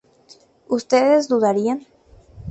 ustedes dudarían